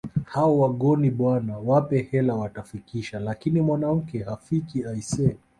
Hao Wangoni bwana wape hela watafikisha lakini mwanamke hafiki aisee